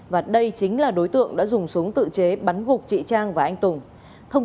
và đây chính là đối tượng đã dùng súng tự chế bắn gục chị trang và anh tùng